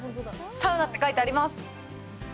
サウナって書いてあります。